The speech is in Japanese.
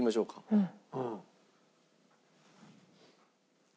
うん。